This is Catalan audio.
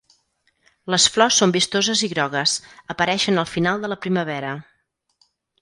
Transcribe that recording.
Les flors són vistoses i grogues, apareixen al final de la primavera.